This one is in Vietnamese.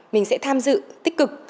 mình sẽ tham dự tích cực